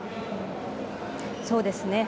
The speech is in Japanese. そうですね。